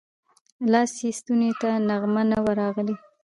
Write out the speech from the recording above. لا یې ستوني ته نغمه نه وه راغلې